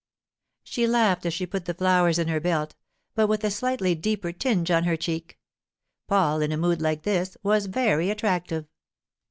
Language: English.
_' She laughed as she put the flowers in her belt, but with a slightly deeper tinge on her cheek. Paul, in a mood like this, was very attractive.